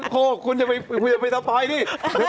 โฆษ์คุณอย่าไปทับไปนี่